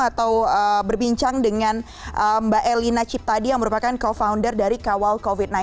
atau berbincang dengan mbak elina ciptadi yang merupakan co founder dari kawal covid sembilan belas